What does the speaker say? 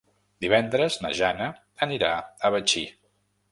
Divendres na Jana anirà a Betxí.